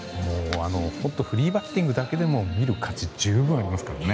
フリーバッティングだけでも見る価値が十分ありますね。